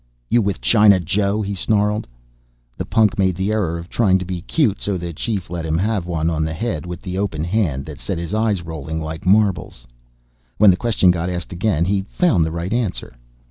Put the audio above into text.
"You with China Joe," he snarled. The punk made the error of trying to be cute so the Chief let him have one on the head with the open hand that set his eyes rolling like marbles. When the question got asked again he found the right answer.